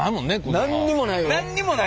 何にもない。